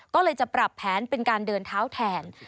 ก็เลยจะปรับแผนเป็นการเดินเท้าแทน